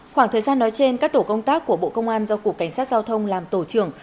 khoảng thời gian nói trên các tổ công tác của bộ công an do cục cảnh sát giao thông làm tổ trưởng